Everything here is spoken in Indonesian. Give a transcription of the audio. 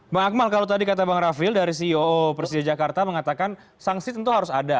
bang akmal kalau tadi kata bang rafil dari ceo presiden jakarta mengatakan sanksi tentu harus ada